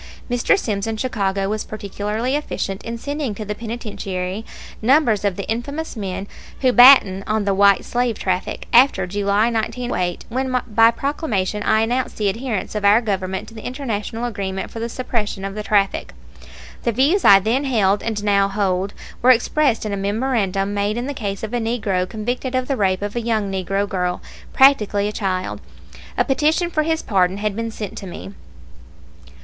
Mr. Sims in Chicago was particularly efficient in sending to the penitentiary numbers of the infamous men who batten on the "white slave" traffic, after July, 1908, when by proclamation I announced the adherence of our Government to the international agreement for the suppression of the traffic. The views I then held and now hold were expressed in a memorandum made in the case of a Negro convicted of the rape of a young Negro girl, practically a child. A petition for his pardon had been sent me.